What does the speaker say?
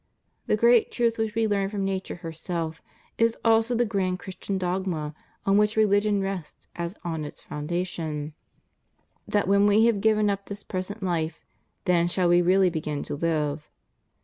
The great truth which we learn from Nature herself is also the grand Christian dogma on which Religion rests as on its foundation — that when we have given up this present life, then shall we really begin to live.